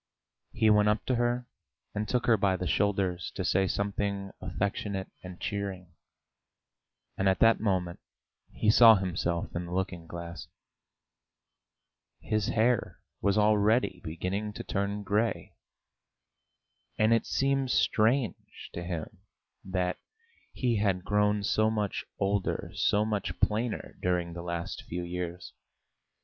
He went up to her and took her by the shoulders to say something affectionate and cheering, and at that moment he saw himself in the looking glass. His hair was already beginning to turn grey. And it seemed strange to him that he had grown so much older, so much plainer during the last few years.